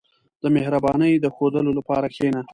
• د مهربانۍ د ښوودلو لپاره کښېنه.